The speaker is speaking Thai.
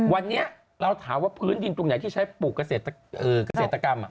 วันนี้เราถามว่าพื้นดินตรงไหนที่ใช้ปลูกเกษตรกรรม